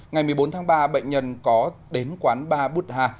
ngày một mươi bốn tháng ba bệnh nhân có đến quán ba bút ha